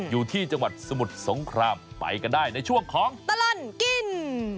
อยู่ที่จังหวัดสมุทรสงครามไปกันได้ในช่วงของตลอดกิน